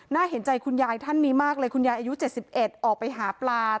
เห็นใจคุณยายท่านนี้มากเลยคุณยายอายุ๗๑ออกไปหาปลา